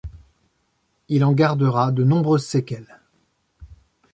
Il en gardera de nombreuses séquelles.